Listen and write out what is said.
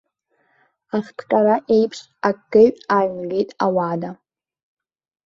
Ахҭҟьара еиԥш акеҩ ааҩнгеит ауада.